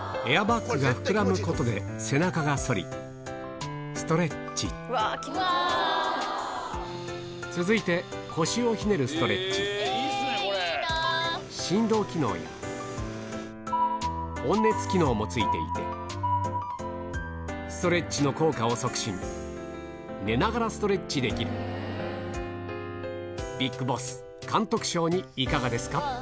エアバッグが膨らむことで背中が反りストレッチ続いて腰をひねるストレッチ温熱機能も付いていてストレッチの効果を促進寝ながらストレッチできるＢＩＧＢＯＳＳ監督賞にいかがですか？